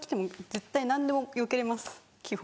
絶対何でもよけれます基本。